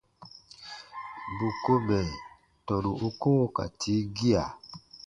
Bù ko mɛ̀ tɔnu u koo ka tii gia.